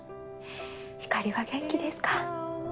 ひかりは元気ですか？